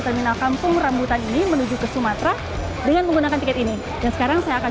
terminal kampung rambutan ini menuju ke sumatera dengan menggunakan tiket ini dan sekarang saya akan